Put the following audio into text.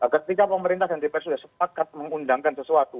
ketika pemerintah dan dpr sudah sepakat mengundangkan sesuatu